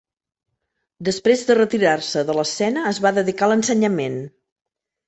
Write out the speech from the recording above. Després de retirar-se de l'escena es va dedicar a l'ensenyament.